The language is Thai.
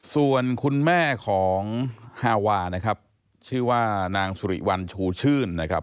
ส่วนคุณแม่ของฮาวานะครับชื่อว่านางสุริวัลชูชื่นนะครับ